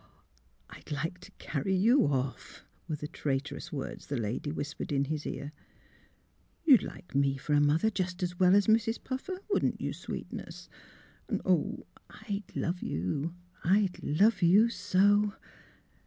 ''I'd like to carry you off," were the traitorous words the lady whispered in his ear. " You'd like me for a mother just as well as Mrs. Puffer; wouldn't you, sweetness? And, oh, I'd love you — love you so!